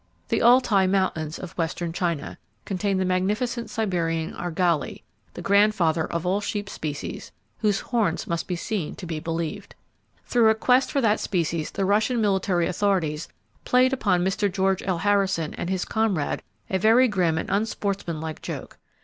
The Altai Mountains, of western China, contain the magnificent Siberian argali, the grandfather of all sheep species, whose horns must be seen to be believed. Through a quest for that species the Russian military authorities played upon Mr. George L. Harrison and his comrade a very grim and unsportsmanlike joke.